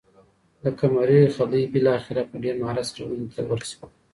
د قمرۍ خلی بالاخره په ډېر مهارت سره ونې ته ورسېد.